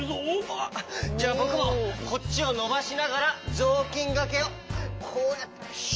あじゃあぼくもこっちをのばしながらぞうきんがけをこうやって。